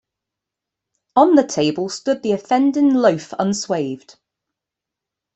On the table stood the offending loaf unswathed.